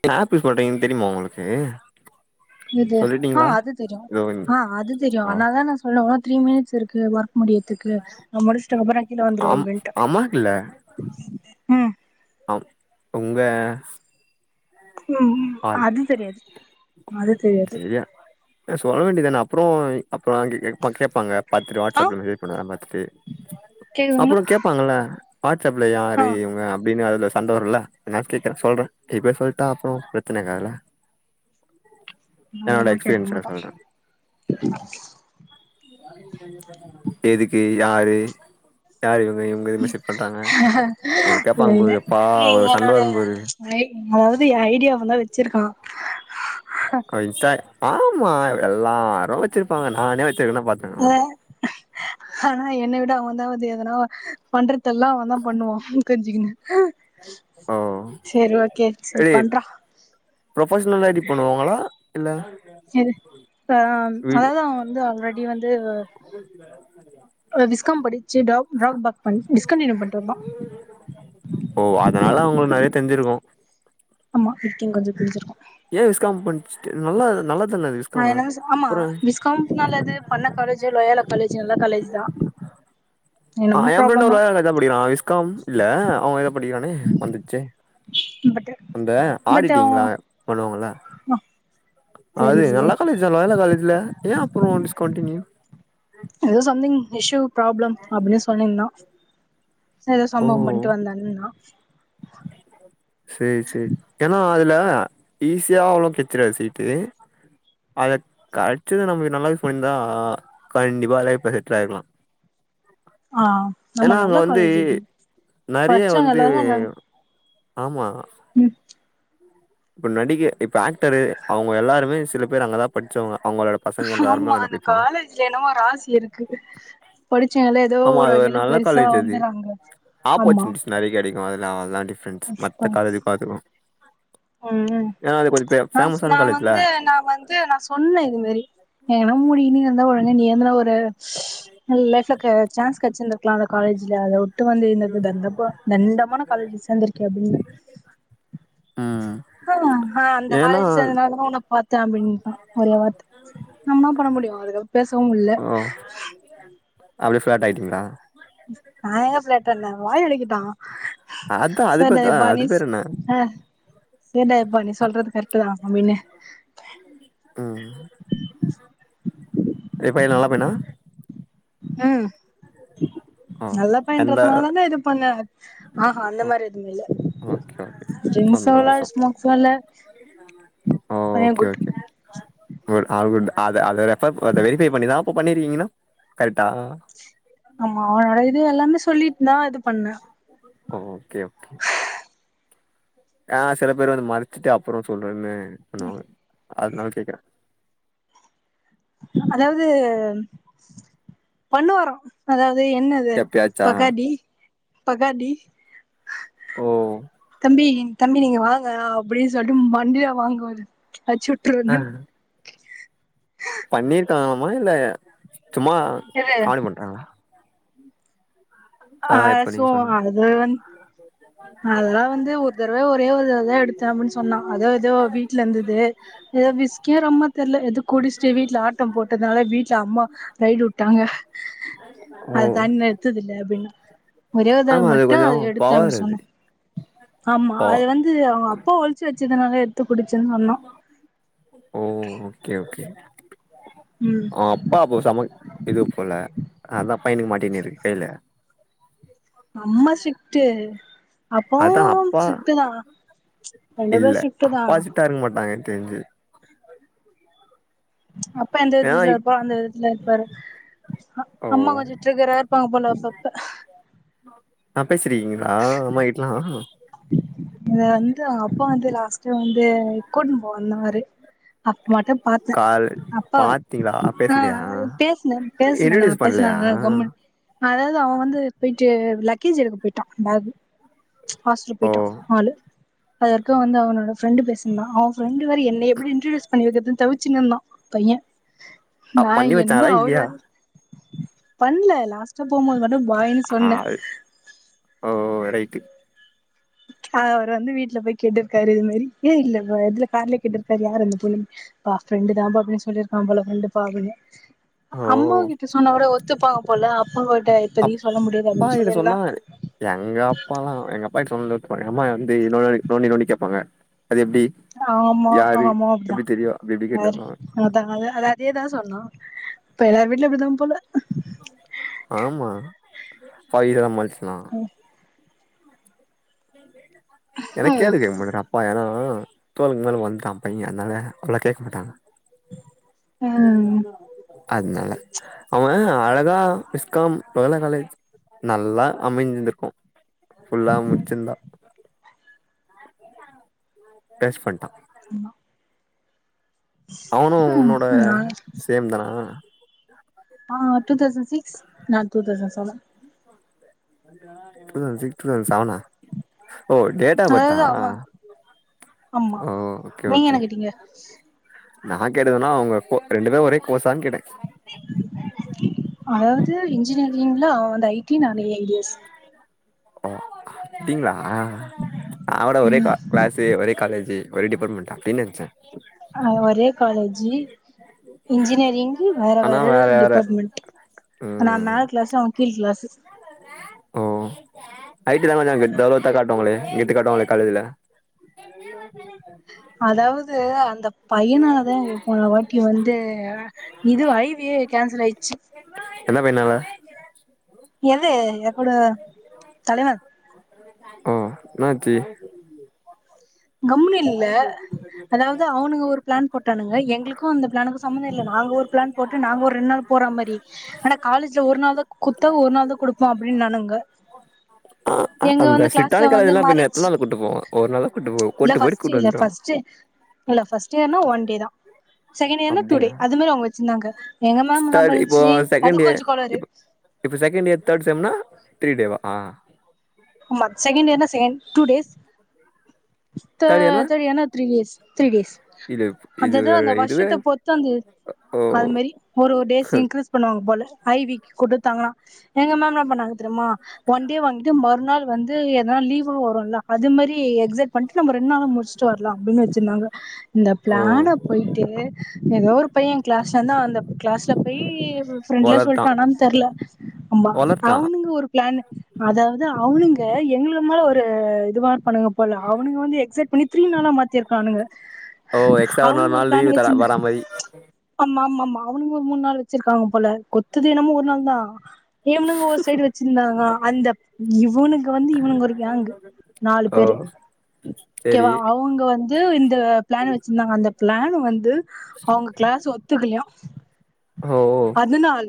இந்த Apple phone ring தெரிமா உங்களுக்கு இது ஆ சொல்லிட்டீங்களா அது தெரியு இதோ இந்த ஆ அது தெரியு ஆ அதனாலதா நா சொல்ல ஒ த்ரீ மினிட்ஸ் இருக்கு வொர்க் முடியதுக்கு நா முடிச்ட்டக்கப்புறோ கீழ வந்துருவ அம் அப்டின்ட்டே அம்மாக்கு இல்ல ஹ ஒர் உங்க ம் ஆள் அது தெரியாது அது தெரியாது ஏ சொல்ல வேண்டியதான அப்புறோ அப்ரோ அங்க கே கேப் பாங்க பாத்துட்டு ஆ வாட்ஸ்அப்ல மெசேஜ் பண்ணதலாம் பாத்துட்டு கேக்குதுங்களா அப்ரோ கேட்பாங்கல்ல வாட்ஸ்அப்ல யாரு ஆ இவுங்க அப்டின்னு ல சண்ட வருல நா கேக்கறன் சொல்றன் இப்பயே சொல்ட்டா அப்ரோ பிரச்சன ஆகாதுல அதெல்லா கேக்க மாட்டோ எதுக்கு யாரு யாரு இவ கேப்பாங்க இல்லல்ல பாரு எப்பா ஒரு சண்ட என்னோட வரும் பாரு ஐ டி அதாவது ஐ டி ய அவந்தா வச்சிருக்கா [unintelligible] ஆமா எல்லாரு வச்சிருப்பாங்க நானே வ அ ஆனா என்னை விட அவ அதாவுது எதனா பண்ற தெல்லா அவ தா பண்ணுவா கஞ்சிகினு ஓ ஓகே சேரி ஐ டி பண்றா ப்ரொபஷனல் ஐ டி பண்ணுவாங்களா இல்ல எது ஆ வீ அதாது அவ வந்து ஆல்ரெ டி வ விஸ்காம் படிச்சு ட்ரா ட்ராபேக் டிஸ்கன்டினியூ பண்ட்டு வந்தா செஞ்சிருக்கோ ஆமா விக்கி கொஞ்ச கிளிஞ்சிருக்கு ஏ விஸ்காம் பண் என்னது ஆமா அப்புற விஸ்காம் பண்ண காலேஜ் லோயால காலேஜ் நல்ல காலேஜ் தான் ஆ என்னமோ என் ஃப்ரெண்ட் ப்ராப்ளமா லயோலா காலேஜ் தான் படிக்கிறான் விஸ்காம் இல்ல அவங்க எதா படிக்கிறானே மறந்துச்சு பட் அந்த ஆடிட்டிங்லா பண்ணுவாங்கள ம் அது நல்ல காலேஜ்ல லயோலா காலேஜ்ல ஏன் அப்புறம் டிஷ் கண்டிணியூ ஏதோ சம்திங் இஷ்யூ ப்ராப்ளம் அப்டின்னு சொல்லிருந்தா ச ஏதோ ஓ சம்பவம் பண்ட்டு வந்தானுன்னா சரி சரி ஏனா அதுல ஈஸியா அவ்ளோ கிட்ச்சிடிது சீட்டு அத கடைச்சது நமக்கு நல்லா யூஸ் பண்ணியிருந்தா கண்டிப்பா லைஃப் ல செட்டல ஆயீரூக்கலா ஆ நம்ம நல்ல காலேஜ் இது நெறைய படிச்சவங்க வந்து எல்லாருமே என்ன ஆமா ம் இப்ப நடிகை இப்ப ஆக்டரு அவங்க எல்லாருமே சில பேர் அங்கதான் பச்சவங்க அவங்களோட பசங்க எல்லாருமே ஆமா அங்கன அந்த படிப்பாங்க காலேஜ்ல என்னோவோ ராசி இருக்கு படிச்சங்கால ஏதோ ஆமா ஒரு அது வகையில நல்ல பெருசா காலேஜ் அது வந்துறாங்க ஆமா [unintelligible] ஃப்ரெண்ட்ஸ் மத்த காலேஜக்கு பாக் ம் பே ந ஃபேமஸான நான் காலேஜ்ல வந்து நான் வந்து நான் சொன்னன் இது மாரி என்ன முடியினு ன ஒரு என்ன ஒரு ஸ்ஸ் லைப்க்கு சான்ஸ் கடச்சிருந்திருக்கலாம் காலேஜ் ல அத விட்டு வந்து இருந்தது தண்டமா தண்டமான காலேஜ்ல சேர்ந்திருக்கியே அப்படின்னு ஆ ஆ அந்த ஏன்னா காலேஜ்ல சேர்ந்தனால தான் உன்ன பார்த்தேன் அப்படின்தான் ஒரே வார்த்தை நம்ம என்ன பண்ண முடியும் அதுக்கப்பம் பேசவும் முல்ல அப்படிேயே ஃபிளாட் ஆயிட்டீங்களா நான் எங்க பிளாட்டானேன் வாயி அடக்கிட்டான் அதா அது சரிடா பேர்தா அது பானிஸ் பேர் என்ன ஆ சரிடா அப்பா பானி சொல்றது கரெக்ட் தான் அமீனு ம் இப்பன்ன நல்ல பையனா ம் ஓ நல்ல எந்த பயன்றதுனால தானா இது பண்ண ஆஹா அந்த ஓ மாதிரி எதுவுமே இல்ல ஓகே ஓகே ட்ரிங்க்ஸ் அல்ல சந்தோஷம் ஸ்மோக்ஸ் அல்ல பைய okay good okay good all good அத அத ரெஃபர் அத வெரிஃபை பண்ணிதான் அப்போ பண்ணிருக்கீங்கன்னா கரெக்டா ஆமா அவனோட இது எல்லாமே சு சொல்லிட்டு நா இது பண்ணே ஓ ஓகே ஓகே ஆஹ் சில பேர் வந்து மறச்சிட்டு அப்புறோ சொல்றேனு பண்ணுவாங்க அதுனால கேக்றே அதாவது பண்ணுவாரா அதா து என்னது எப்பயாச்சா பகடி பக்கடி ஓ தம்பி தம்பி நீங்க வாங்கணா அப்டின் சொல்ட்டு மண்டையில வாங்குவாரு அட்சுட்ருவனன் பண்ணிருக்கலாமா இல்ல சும்மா எது காமெடி பண்றாங்களா ஆ அதா இப்ப சோ நீங்க சொன்னீங்க அது வந் அதெல்லா வந்து ஒரு தடவ ஒரே ஒரு தடவதா எடுத்தே அப்டின் சொன்னா அது எதோ வீட்ல இருந்தது எதோ விஸ்கியோ ரம்மோ தெர்ல எதோ குடிச்சிட்டு வீட்ல ஆட்டம் போட்டனால வீட்ல அம்மா ரைடு உட்டாங்க ஓ அத தாண்டி நா எடுத்ததில்ல அப்டின்னா ஒரே ஒரு தடவ ஆமா அது மட்டு கொஞ்சோ அத எடுத்து பவர் அனுப்ப அது சொன்னா ஆமா அத பவர் வந்து அவங்க அப்பா ஒழிச்சு வச்ச துனால எத்துக் ஓ ஓகே ஓகே ம் அவ அப்பா அப்போ செம இது போல அதா பைய்னுக்கு மாட்டின்னுருக்கைலே அம்மா ஸ்ரிக்ட்டு அப்பாவு அதா அப்பா ஸ்ரிட்டு தா ரெண்டு பேரு ஸ்ரிட்டு தா தெர்ஞ்சிது அப்பா எந்த ஏன்னா விதத்துல இப் இருப்போ அந்த விதத்துல இருப்பாரு ஓ அம்மா கொஞ்சோ ட்ரிகராயிருப்பாங்க போல செத்தே அ பேசுறீங் ஆ அம்மாகிட்டலா இங்க வந்து அப்பா வந்து லா ஸ்டு வந்து கூட்ன்னு போவந்தாரு அப்ப மட்டு பாத்தே கால் அப்பா பாத்தீங்களா அ பேசலையா பேசுனே பேசுன நா இன்ட்ரடியூஸ் பண்லையா பேசுனால கம்முன் அதாவது அவ வந்து போயிட்டு லக்கேஜ் எடுக்க போயிட்டா பேகு ஹாஸ்டல் ஓ போய்ட்டா அதற்கு வந்து அவனோட ஃபிரெண்டு் பேசுனா அவ ஃபிரெண் இது மாரி என்னய எப்டி இன்ட்ருடியூஸ் பண்ணி வெக்குறது தவிச்சினிந்தா பைய நா அப்பண்ணி என்ன வச்சாரா அவரு இல்லியா வந்து பண்ல லாஸ்டா போபோது மட்டு பாய்னு சொன்ன பைக்கு அவர் வந்து வீட்டு்ல போய் கேட்டிருக்காரு இது மாரி ஏ இல்ல எதுல கார்ல கேட்டிருக்காரு யாரந்த பொண்ணு பா ஃபிரெண்டு தா பா அப்டின்னு சொல்லிருக்கா போல ஃபிரெண்டு பா அப்புனு ஓ அம்மா கிட்ட சொன்னாகூட ஒத்துப்பாங்க போ போல அப் அப்பா கிட்ட சொன்னா எங்க அப்பாலா எங்க அப்பாகிட்ட [unintelligible] அம்மா வந்து நோன்டி நோன்டி நோன்டி கேட்பாங்க ஆமா ஆமா அப்டிதா எப்டி தெரியு அப்டி இப்டி கேட்டுனு வேர இருப்பாங்க அதா அதா அதாது அதேதா சொன்னா இப்ப எல்லார் வீட்டுலயு அப்டிதா போல ஆமா [unintelligible] ம் [unintelligible] என்ன ம் கேள்வி கேக்க மாட்டாரு அப்பா ஏனா தோலுக்கு மேல வளந்துட்டா பைய அதனால அவ்ளா கேக்க மாட்டாங்க ம் [unintelligible] அத்னால அவுங்க அழகா விஸ்காம் லயோலா காலேஜ் நல்லா அமஞ்சந்திருக்கூ புஃல்லா முச்சிர்ந்தா பேஸ் ஃபண்டா அவனு ம் உன்னோட நா சேம் தனா ஆ அவ டூ தௌசண் சிக்ஸ் நா two thousand seven two thousand six [unintelligible] சவனா அதாவுது ஆமா ஆம்மா ஓ ஓகே நீங்க ஓகே என்ன கேட்டிங்க நா கேட்டதென்னனா அவுங்க போ ரெண்டு பேரு ஒரே கோர்ஸான் கேட்டே அதாவது இன்ஜினியரிங்ல அவ வந் ஐ டி நானு ஏ ஐ [unintelligible] எஸ் ஓ அப்டிங்ளா ஆ [unintelligible] ஒரே கிளாஸு ஒரே காலேஜு ஒரே டிபார்ட்மென்ட் அப்டினு நெனச்ச ஆ ஒரே காலேஜ் ஜி இன்ஜினரிங்கு வேற ஆனா வேற வேற டிபார்ட்மெண்ட் நா ம் மேல் கிளாஸு அ கீல் கிளாஸு ஓ ஐ டி தா கொஞ்சோ அங்க தவ்லோத்தா காட்டுவாங்ளே கெத்து காட்டுவாங்ளே காலேஜ்ல அதாவது அந்த பையனாலதா எங்குளுக் போன வாட்டி வந்து இது ஐ வியே கேன்சல் ஆயிச்சு என்ன பையனால எது எப்புடு தலைவ ம் என்னாச்சு கம்முண்னுயில்ல அதாவது அவனுங்க ஒரு பிளான் போட்டானுங்க எங்களுக்கூ அந்த பிளானுக்கு சம்மந்தோ இல்ல நாங்க ஒரு பிளான் போட்டு நாங்க ஒரு ரெண்ட் நாள் போற மாரி ஆனா காலேஜ்ல ஒரு நாள் தா குத்தா ஒரு நாள் தா குடுப்போ அப்டினானுங்க எங்க அந்த வந்து ஸ்ட்ரிட்டான கிளாஸ்ல வந்து காலேஜ்லா பின்ன எத்தன மறச்சு நாள் கூட்டு போவோ ஒரு நாள்ல கூட்டு போ இல்ல கூட்டு போயிட்டு ஃபர்ஸ்ட் கூட்டு இல்ல வந்துருவோ ஃபர்ஸ்ட் இல்ல ஃபர்ஸ்ட் இயர்ன்னா ஒன்டே தா செகண்ட் இயர்னா டூடே அப்டிங்களா அது மாரி அவுங்க வெச்சிருந்தாங்க தேர்ட் இப்போ செகண்ட் இய கோளாறு இப்போ இப்போ செகண்ட் இயர் தேர்ட் செம்னா த்ரீ டேவா ஆ ஆம்மா செகண்ட் இயர்னா சேம் டூ டேஸ் த தெர்ட் இயர்னா த்ரீ டேஸ் த்ரி டேஸ் இது இது அததா அந்த இதுவே வருஷத்த பொருத்து அந்த ஓ அது மாரி ஒரு ஒரு டேஸ் இன்கிரீஸ் பண்ணுவாங்க போல ஐ விக்கு குடுத்தடுத்தாங்கனா எங்க மேம் என்னா பண்ணாங்க தெரியுமா ஒன் டே வாங்கிட்டு மறுநாள் வந்து எதனா லீவு வரும்ல அது மாரி எக்ஸக்ட் பண்ட்டு நம்ப ரெண்ட் நாள்ள முடிஸ்ட்டு வரலா அப்டின்னு வெச்சிருந்தாங்க இந்த ஓ பிளான போயிட்டு எதோ ஒரு பையன் கிளாஸ்லந்தா அந்த கிளாஸ் ட போயி ஸ் ம் ஃபிரெண்ட்ல வளர்ட்டா சொல்ட்டானான் தெர்ல ஆமா வளர்ட்டா அவனுங்க ஒரு பிளான்னு அதாவது அவனுங்க அ எங்களுக்கு மேல ஒரு இது மார் பண்ணுங்க போல அவனுங்க வந்து எக்சட் பண்ணி த்ரி நாளா மாத்திருக்கானுங்க ஓ எக்ஸ்ட்ரா அவுனுங்க நாலு ஒரு நாள் பிளான் லீவு தர வெச்சிந்த வரா மாரி ஆமா ஆமா ஆமா அவனுங்க ஒரு மூணு நாள் வெச்சிருக்காங்கப் போல கொத்ததே என்னமோ ஒரு நாள் தா இவனுங்க ஒரு சைடு வெச்சிந்தாங்க அந்த இவனுங்க வந்து இவனுங்க ஒரு கேங்கு நாலு ஓ பேரு கேவா சேரி அவுங்க வந் து இந்த ப்ளேன் வச்சிருந்தாங்க அந்த பிளான் வந்து அவுங்க கிளாஸ் ஒத்துக்கல்யா ஓ அதுனால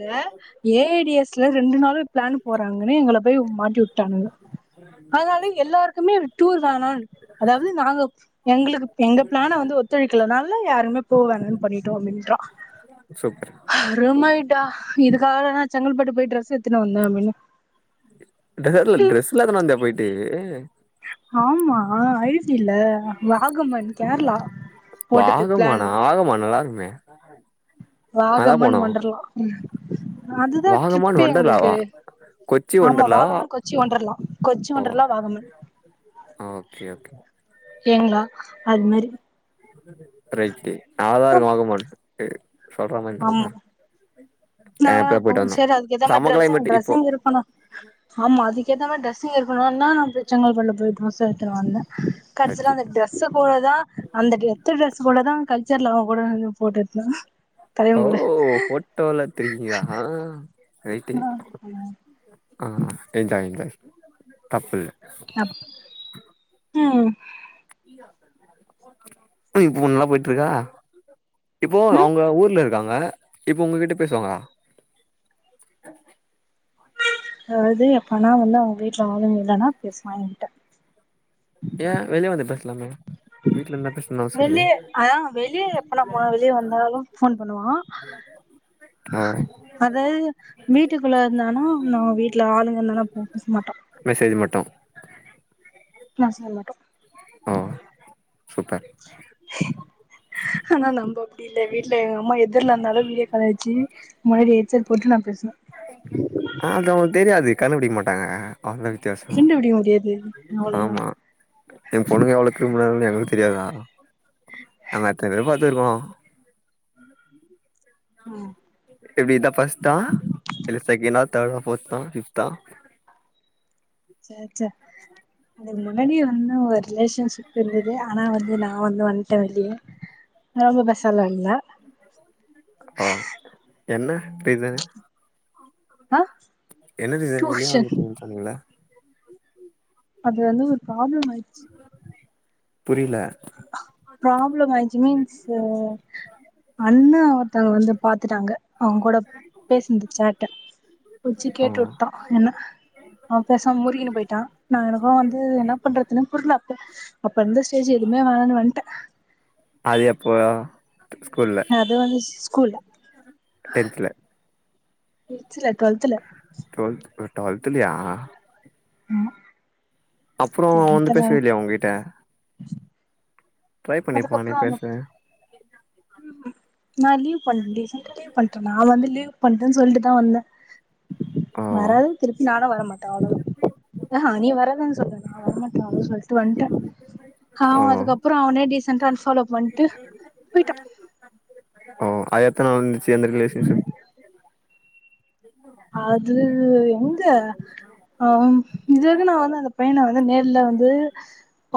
ஏஏடிஎஸ்ல ரெண்டு நாள்ளு ப்ளேன் போறாங்கன்னு எங்கள போய் மாட்டி உட் டாங்க அத்னால எல்லாருக்குமே டூர் தானால் அதாவ்து நாங்க எங்ளுக்கு எங்க ப்ளான வந்து ஒத்துழைக்கலனால யாருமே போ வேணானு பண்ணிட்டோ அப்டின்றா சூப்பர் அருமைடா இதுக்காகதா செங்கல்பட்டு போய் ட்ரெஸ் எடுத்துனு வந்த அப்டினு [unintelligible] டிரெஸ்லா எத்துனு வந்யா போய்ட்டு ஆமா ஐஸ் போட்டது பிளான் வாகமானா ஆகமான் நல்லாருக்குமே வாகமன் வொண்டுர்ளா அதுதா வாகமான் ட்ரிப்பே எங்ளுக்கு வண்டர்லாவா கொச்சி ஆமா வண்டர்லாவா வாகமன் கொச்சி ஒன்ருலா கொச்சி ஓ ஒன்ருலா வாகமன் ஓகே ஓகே ஏங்கணா அது மாரி ரைட்டு ந [unintelligible] ல்லாதாருக்கு வாகமான் சொல்ற மாரி ஆமா நல்லாதா இருக்கு ஆ நல்லா இப்பதா இருக்கும் போயிட்டு வந்தோ செரி அதுக்கேத்த மாரி செம ட்ரெஸ்ஸிங் கிளைமேட் இப்போ ட்ரெஸ்ஸிங் இருக்கணும் ஆமா அதுக்கேத்த மாரி ட்ரெஸ்ஸிங் இருக்கணும் என்னான்னா போய் செங்கல்பட்டுல போய் ட்ரெஸ்ஸ எடுத்துட்டு வந்தே கடைசில அந்த அச்சச்சோ டிரெஸ்ஸ போடதான் அந்த எத்தன டிரரெஸ்ஸு கூடதா கல்ச்சர்ல பொடவைலயும் போட்டோ எடுத்தானா ஓ போட்டோ எல்லா எடுத்திருக்கீங்களா ரைட்டு நா யுமோ [unintelligible] ஆ என்ஜாய் என்ஜாய் தப்பில்ல அப் ம்ம் இப்பயு போனெல்லா போயிட்டு இருக்கா இப்போவு ம் அவுங்க ஊர்ல இரு இருக்காங்க இப்போ உங்ககிட்ட பேசுவாங்களா அது எப்பனா வந்து அவுங்க வீட்டுல ஆளுங்க இல்லனா பேசுவா எங்கிட்ட ஏ வெளிய வந்து பேசலாமே வீட்ல இருந்தா பேசணுனு அவசிய இல்லயே வெள்ளிய அதா வெளிய எப்பலா போனா வெளிய வந்தாலு ஃபோன் பண்ணுவா ஓ அதாது வீட்டுக்குள்ள இருந்தானா நா வீட்ல ஆளுங்க இருந்தா போ பேச மாட்டோ மெசேஜ் மட்டு நா சொல்லாட்டு ஓ சூப்பர் ஆனா நம்ப அப்டி இந்த வீட்ல எங்கம்மா எதுர்ல இருந்தாலு வீடியோ கால வெச்சு முன்னாடி ஹெட்செட் போட்டு நா பேசுவே டாங்க அவ்ளோ வித்தியாசோ ஃப்ரெண்டு பிடிக்க முடியாது அவ்ளோதா ஆமா என் பொண்ணுங்க எவ்ளோ கிரிமுனல் னு எங்களுக்கு தெரியாதா நாங்க எத்தனை பேரு பாத்து இருக்கோ உம் எப்டி இதா ஃபஸ்டா இல்ல செகேண்டா தேர்டா ஃபோர்தா பிஃப்தா சே சே அதுக்கு முன்னாடியே வந்து ஒரு ரிலேஷன்ஷிப் இருந்தது ஆனா வந்து நா வந்து வந்துட்டே வெளிய ரொம்ப பேசல்லா ஆ என்ன பெய்த ஆ என்ன ரீசன் வெளிய டியூஷன் வந்துட்டீனு சொன்னீங்கள அது வந்து ஒரு ப்ராப்ளம் ஆயிடுச்சு புரியல பிராப்ளம் ஆயிச்சு மீன்ஸ்சு அண்ணா ஒருத்தவுங்க வந்து பாத்துட்டாங்க அவுங்ககூட பேசுன இந்த சேட்ட புடிச்சி ஆ கேட்டு விட்டா என்ன அவ பேசா முருகினு போயிட்டா நா எனக்கு வந்து என்ன பண்றதுனு புரில அப்போ அப்ப இருந்து ஸ்டேஜு எதுமே வேணானு வன்ட்ட அது எப்போ ஸ்கூல்ல அது வந்து ஸ் கூல்ல டென்த்ல ம் சில டூ ட்வெல்த்ல டூவல்துலையா ஆமா அப்புறம் வந்து டென்த்ல பேசவே இல்லையா உங்ககிட்ட ட்ரை பண்ணிப்ப நே அதுக்கப்புறோ அந்த பேச நா லீவ் பண்லேயே சாட்டர்டே பண்ட நா வந்து லீவு பண்றேன்னு சொல்லிட்டுதா வந்தே ஆ வராது திருப்பி நானு வரமாட்டே அவளோ தா ஆ அ நீ வரதான்னு சொல்லா நா வரமாட்டலனு சொல்லிட்டு வந்துட்ட ஆ ஓ அதுக்க அப்புறம் அவனே டிஸ் அன் ஃபாலோ பண்ட்டு போயிட்டா ஓ அது எத்தனநால்லருந்துச்சு அந்த ரிலேஷன்ஷிப் அது எங்க அ இது அது நா வந்து அந்த பையனா வந்து நேர்ல வந்து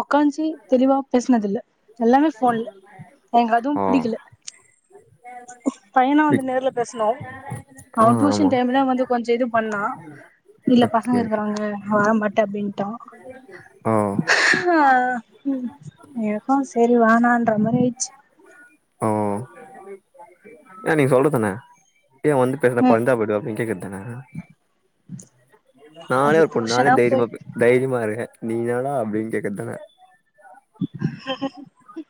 உங்காஞ்சி தெளிவா பேசனது இல்ல எல்லாமே போன்ல எங்க ஓ அதுவு பிடிக்கல பையனா வந்து பிக் நேர்ல பேசனு ஆ அவன் ஆமா டியூஷன் டைம்ல வந்து கொஞ்ச இது பண்ணா இல்ல பசங்க ஓகே இருக்குறாங்க வரமாட்டே அப்படின்ட்டா ஓ ஆ எனக்கு சரி வேணாரமாரியாச்சு ஓ ஏ நீ சொல்றதானே ஏ வந்து பேசுனா ம் கொறஞ்ச போய்டுவ அப்டின் கேக்குற்தான நானே அது ஒரு பொண் நானே டியூஷனா தைரியமா போய் போ தைரியமா இருக்கே நீ தான்டா அப்டின் கேக்குற்தான [inaudible]